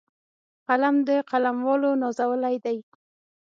قلم د قلموالو نازولی دی